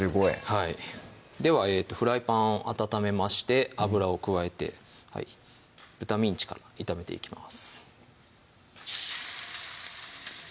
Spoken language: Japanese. はいではフライパンを温めまして油を加えて豚ミンチから炒めていきます